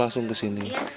langsung ke sini